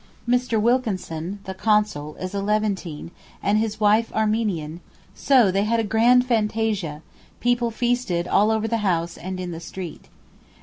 Mr. Wilkinson (the Consul) is a Levantine, and his wife Armenian, so they had a grand fantasia; people feasted all over the house and in the street.